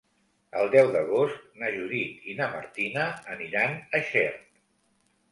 El deu d'agost na Judit i na Martina aniran a Xert.